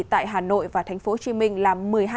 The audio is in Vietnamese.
tại hà nội và tp hcm là một mươi hai